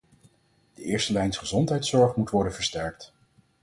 De eerstelijnsgezondheidszorg moet worden versterkt.